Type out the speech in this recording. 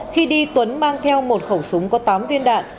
khi đi tuấn mang theo một khẩu súng có tám viên đạn